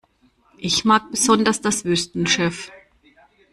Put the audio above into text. Ich mag besonders das Wüstenschiff.